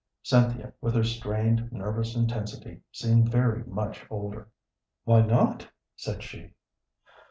Cynthia, with her strained nervous intensity, seemed very much older. "Why not?" said she.